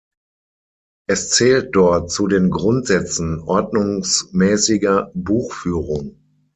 Es zählt dort zu den Grundsätzen ordnungsmäßiger Buchführung.